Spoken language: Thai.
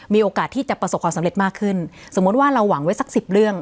มีโอกาสที่จะประสบความสำเร็จมากขึ้นสมมุติว่าเราหวังไว้สักสิบเรื่อง